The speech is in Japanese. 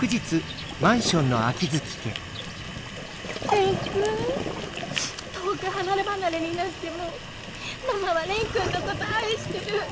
蓮くん遠く離れ離れになってもママは蓮くんのこと愛してる。